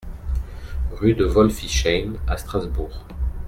Rue de Wolfisheim à Strasbourg